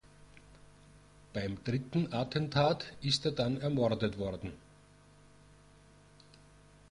Beim dritten Attentat ist er dann ermordet worden.